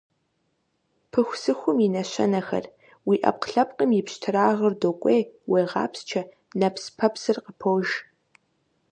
Пыхусыхум и нэщэнэхэр: уи Ӏэпкълъэпкъым и пщтырагъыр докӀуей, уегъапсчэ, нэпс-пэпсыр къыпож.